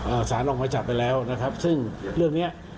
สารออกมาจับไปแล้วนะครับซึ่งเรื่องเนี้ย